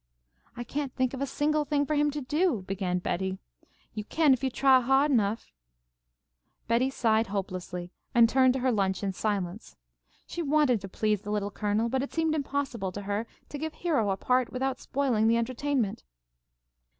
"I can't think of a single thing for him to do " began Betty. "You can if you try hard enough," insisted Lloyd. Betty sighed hopelessly, and turned to her lunch in silence. She wanted to please the Little Colonel, but it seemed impossible to her to give Hero a part without spoiling the entertainment.